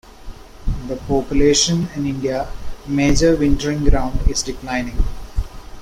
The population in India-a major wintering ground-is declining.